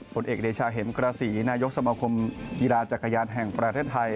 ผลเอกเดชาเห็มกระศรีนายกสมคมกีฬาจักรยานแห่งประเทศไทย